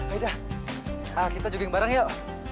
aida kita jogeng bareng yuk